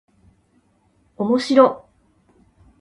おもしろっ